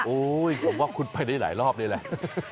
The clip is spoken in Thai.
ผมว่าคุณไปได้หลายรอบนี่แหละ